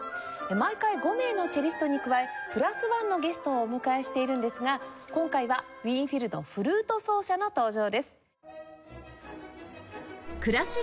毎回５名のチェリストに加え＋１のゲストをお迎えしているんですが今回はウィーン・フィルのフルート奏者の登場です。